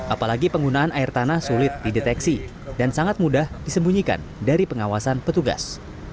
apalagi penggunaan air tanah sulit dideteksi dan sangat mudah disembunyikan dari pengawasan petugas